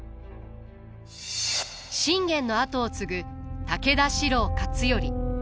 信玄の後を継ぐ武田四郎勝頼。